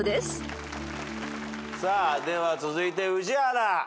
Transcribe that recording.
さあでは続いて宇治原。